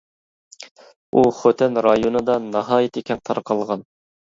ئۇ خوتەن رايونىدا ناھايىتى كەڭ تارقالغان.